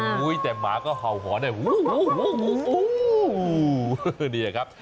โอ้โหแต่หมาก็เห่าหอนอ่ะโอ้โหโอ้โหโอ้โห